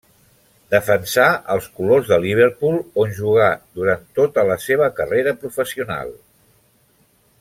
Defensà els colors de Liverpool, on jugà durant tota la seva carrera professional.